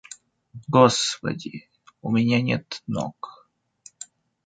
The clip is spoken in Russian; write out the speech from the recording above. Господи, у меня нет ног.